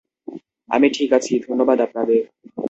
আমি ঠিক আছে, ধন্যবাদ আপনাদের!